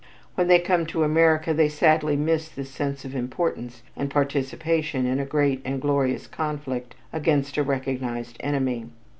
When they come to America they sadly miss this sense of importance and participation in a great and glorious conflict against a recognized enemy.